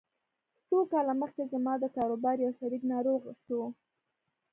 څو کاله مخکې زما د کاروبار يو شريک ناروغ شو.